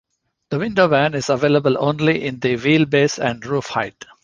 The window van is available only in the wheelbase and roof height.